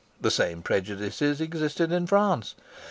The same prejudices existed in France.